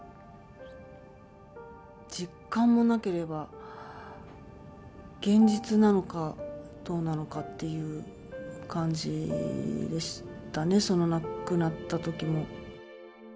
実感もなければ、現実なのかどうなのかっていう感じでしたね、その亡くなったときも。